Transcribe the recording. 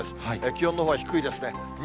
気温のほうは低いですね。